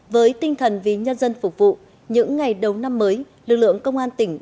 với tinh thần vì nhân dân phục vụ những ngày đầu năm mới lực lượng công an tỉnh